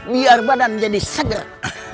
biar badan jadi seger